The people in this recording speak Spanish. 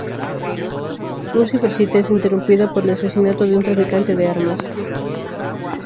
Un ciber-cita es interrumpida por el asesinato de un traficante de armas.